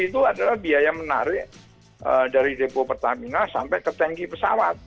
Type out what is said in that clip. itu adalah biaya menarik dari depo pertamina sampai ke tanki pesawat